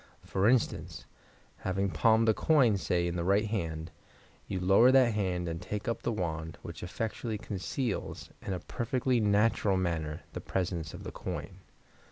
For instance, having palmed a coin, say in the right hand, you lower that hand and take up the wand, which effectually conceals, in a perfectly natural manner, the presence of the coin.